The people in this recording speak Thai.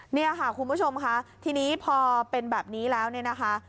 เนี่ยค่ะคุณผู้ชมค่ะทีนี้พอเป็นแบบนี้แล้วเนี่ยนะคะ